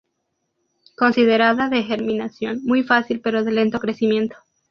Considerada de germinación muy fácil pero de lento crecimiento.